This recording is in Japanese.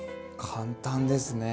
簡単ですね！